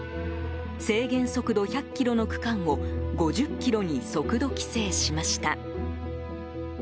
制限速度１００キロの区間を５０キロに速度規制しました。